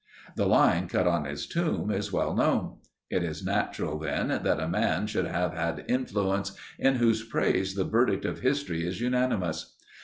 The line cut on his tomb is well known. It is natural, then, that a man should have had influence, in whose praise the verdict of history is unanimous.